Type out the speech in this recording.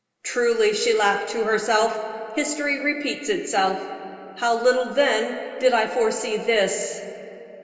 "Truly," she laughed to herself, "history repeats itself. How little then did I foresee this."